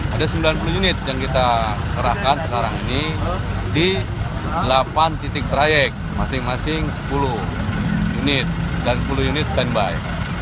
ada sembilan puluh unit yang kita kerahkan sekarang ini di delapan titik trayek masing masing sepuluh unit dan sepuluh unit standby